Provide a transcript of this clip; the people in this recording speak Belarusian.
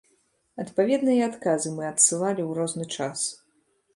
Адпаведна, і адказы мы адсылалі ў розны час.